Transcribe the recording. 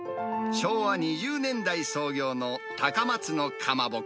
昭和２０年代創業の高松の蒲鉾。